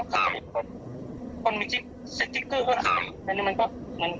คิดว่าตรงนี้มัน